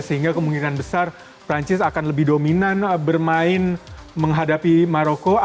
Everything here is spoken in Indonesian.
sehingga kemungkinan besar perancis akan lebih dominan bermain menghadapi maroko